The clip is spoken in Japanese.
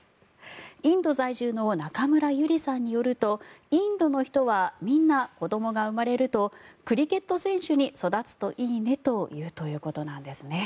インド在住の中村ゆりさんによるとインドの人はみんな子どもが生まれるとクリケット選手に育つといいねと言うということなんですね。